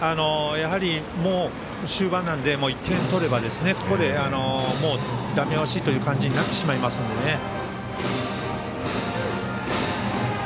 もう終盤なので１点取ればここでもうだめ押しという感じになってしまいますのでね。